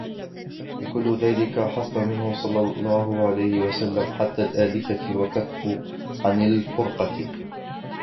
وَكُلُّ ذَلِكَ حَثٌّ مِنْهُ صَلَّى اللَّهُ عَلَيْهِ وَسَلَّمَ عَلَى الْأُلْفَةِ وَكَفٌّ عَنْ الْفُرْقَةِ